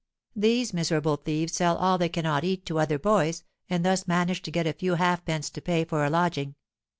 These miserable thieves sell all they cannot eat, to other boys, and thus manage to get a few halfpence to pay for a lodging.